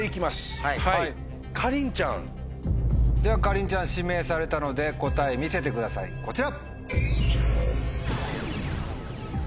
ではかりんちゃん指名されたので答え見せてくださいこちら！